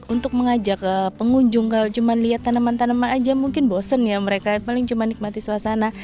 untuk mengajak pengunjung kalau cuma lihat tanaman tanaman aja mungkin bosen ya mereka paling cuma nikmati suasana